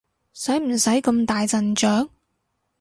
使唔使咁大陣仗？